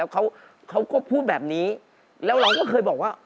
เขาก็พูดแบบนี้แล้วเราก็เคยบอกว่า